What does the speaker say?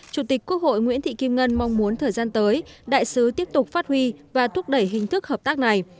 chủ tịch quốc hội nguyễn thị kim ngân mong muốn thời gian tới đại sứ tiếp tục phát huy và thúc đẩy hình thức hợp tác này